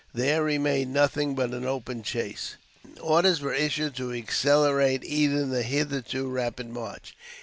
There remained nothing but an open chase. Orders were issued to accelerate even the hitherto rapid march.